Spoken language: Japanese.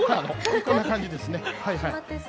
こんな感じですね。